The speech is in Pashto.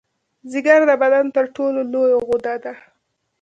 ځیګر د بدن تر ټولو لویه غده ده